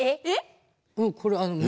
えっ？